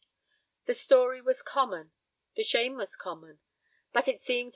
The story was common, the shame was common, but it seemed to M.